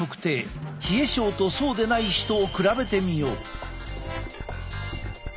冷え症とそうでない人を比べてみよう。